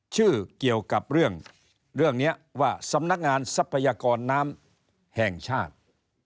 เกี่ยวกับเรื่องนี้ว่าสำนักงานทรัพยากรน้ำแห่งชาติ